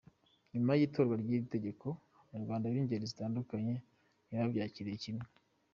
Nyuma y’itorwa ry’iri tegeko Abanyarwanda b’ingeri zitandukanye ntibabyakiriye kimwe.